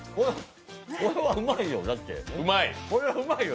これはうまいよ、だって。